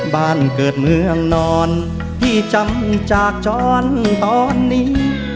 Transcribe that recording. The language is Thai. บ้านเกิดเมืองนอนที่จำจากจรตอนนี้